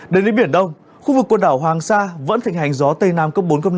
đến với biển đông khu vực quần đảo hoàng sa vẫn thịnh hành gió tây nam cấp bốn năm